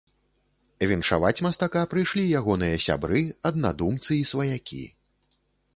Віншаваць мастака прыйшлі ягоныя сябры, аднадумцы і сваякі.